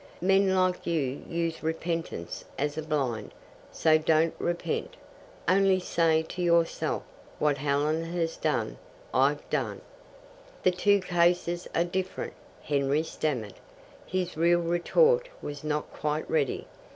Men like you use repentance as a blind, so don't repent. Only say to yourself, 'What Helen has done, I've done.'" "The two cases are different," Henry stammered. His real retort was not quite ready.